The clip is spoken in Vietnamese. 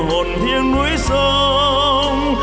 hồn thiêng núi sông